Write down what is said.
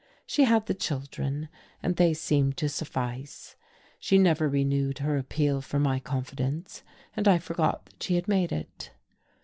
She had the children, and they seemed to suffice. She never renewed her appeal for my confidence, and I forgot that she had made it.